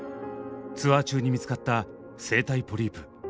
ツアー中に見つかった声帯ポリープ。